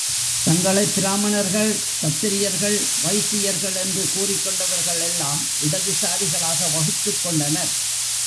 தங்களைப் பிராமணர்கள், க்ஷத்திரியர்கள், வைசியர்கள் என்று கூறிக்கொண்டவர்கள் எல்லாம் இடது சாரிகளாக வகுத்துக் கொண்டனர்.